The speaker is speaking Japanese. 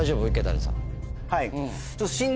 はい。